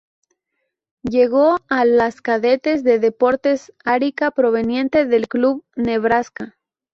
Llegó a las cadetes de Deportes Arica proveniente del club Nebraska.